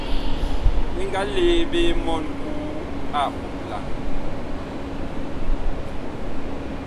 Bi nga lee ɓe mɔɔn Kuu ag puplan.